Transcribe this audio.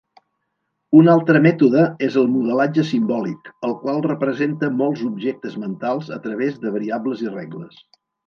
Un altre mètode és el modelatge simbòlic, el qual representa molts objectes mentals a través de variables i regles.